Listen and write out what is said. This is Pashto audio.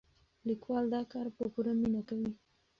لیکوال دا کار په پوره مینه کوي.